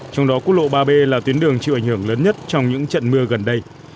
trong đó quốc lộ ba b là tuyến đường chịu ảnh hưởng lớn nhất trong những trận mưa gần đây